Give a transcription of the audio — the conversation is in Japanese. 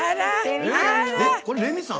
これレミさん？